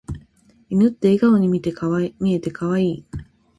犬って笑顔に見えて可愛い。